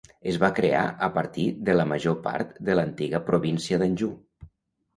Es va crear a partir de la major part de l'antiga província d'Anjou.